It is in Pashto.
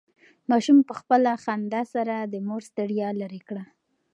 ماشوم په خپله خندا سره د مور ستړیا لرې کړه.